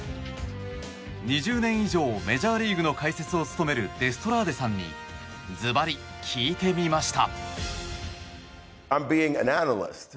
２０年以上メジャーリーグの解説を務めるデストラーデさんにずばり、聞いてみました。